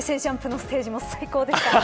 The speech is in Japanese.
ＪＵＭＰのステージも最高でした。